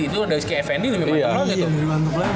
itu ada whiskey fnd lebih mantep lagi